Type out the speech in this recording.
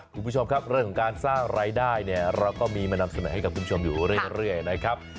คุณผู้ชมครับเรื่องของการสร้างรายได้เนี่ยเราก็มีมานำเสนอให้กับคุณผู้ชมอยู่เรื่อยนะครับ